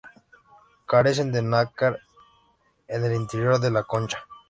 Carecen de nácar en el interior de la concha.